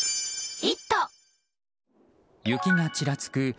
雪がちらつく